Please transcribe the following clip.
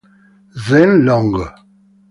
Zheng Long